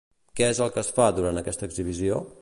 Què és el que es fa durant aquesta exhibició?